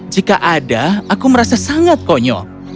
jika ada aku merasa sangat konyol